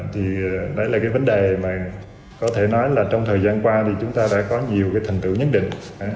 thì đấy là cái vấn đề mà có thể nói là trong thời gian qua thì chúng ta đã có nhiều cái thành tựu nhất định